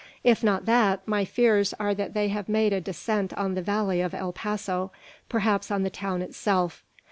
If not that, my fears are that they have made a descent on the valley of El Paso, perhaps on the town itself.